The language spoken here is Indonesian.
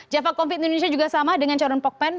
jaffa confit indonesia juga sama dengan carun pokpen